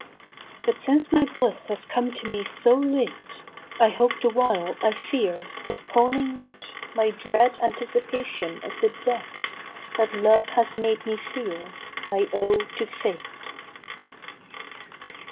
But since my bhss has come to me so late, I hope the while I fear, postponing yet My dread anticipation of the debt, That Love has made me feel I owe to Fate.